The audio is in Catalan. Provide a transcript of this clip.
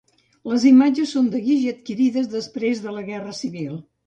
Les imatges són de guix i adquirides després de la Guerra Civil.